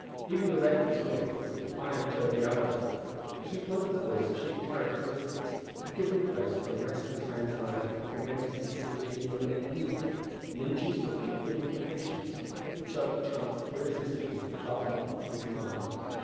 Even the reckless look of defiant joviality, which was one of the boy's chief characteristics, had given place to a restless anxiety that prevented his seeing humour in anything, and induced a feeling of impatience when a joke chanced irresistibly to bubble up in his mind.